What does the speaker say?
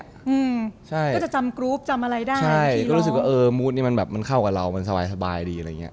อืมจะจำกรูปจำอะไรได้ทีร้องใช่ก็รู้สึกมันเข้ากับเรามันสบายดีอะไรอย่างเงี้ย